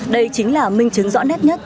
đây chính là minh chứng rõ nét nhất